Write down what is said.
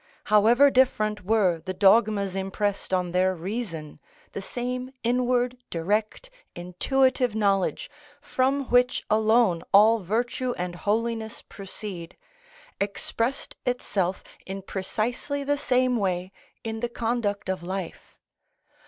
However different were the dogmas impressed on their reason, the same inward, direct, intuitive knowledge, from which alone all virtue and holiness proceed, expressed itself in precisely the same way in the conduct of life.